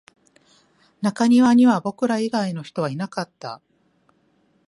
中庭には僕ら以外の人はいなかった